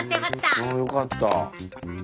あよかった。